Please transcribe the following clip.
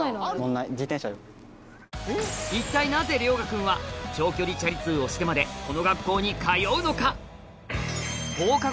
一体なぜ涼芽くんは長距離チャリ通をしてまでこの学校に通うのか？あれ？